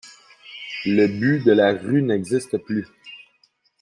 Le Bû de la Rue n’existe plus.